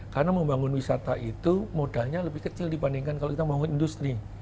karena membangun wisata itu modalnya lebih kecil dibandingkan kalau kita membangun industri